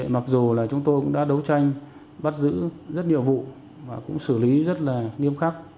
mặc dù chúng tôi đã đấu tranh bắt giữ rất nhiều vụ và cũng xử lý rất nghiêm khắc